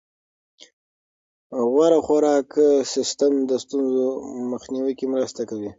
غوره خوراکي سیستم د ستونزو مخنیوي کې مرسته کوي.